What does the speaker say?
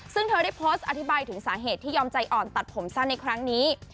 ซึ่งเธอได้โพสต์อธิบายถึงสาเหตุที่ยอมใจอ่อนตัดผมสั้นในครั้งนี้